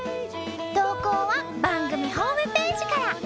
投稿は番組ホームページから。